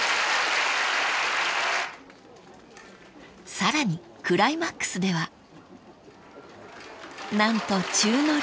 ［さらにクライマックスでは何と宙乗り］